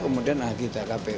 kemudian kita kpu